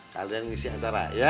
kalian ngisi acara ya